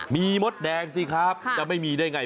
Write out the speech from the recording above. มีมดแดงสิครับจะไม่มีได้ไง